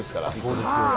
そうですよね。